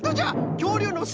きょうりゅうのせ